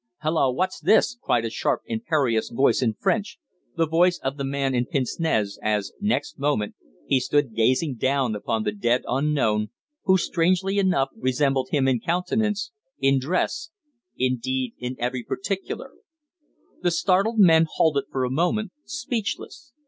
"Hallo! What's this?" cried a sharp, imperious voice in French, the voice of the man in pince nez, as, next moment, he stood gazing down upon the dead unknown, who, strangely enough, resembled him in countenance, in dress indeed, in every particular. The startled men halted for a moment, speechless.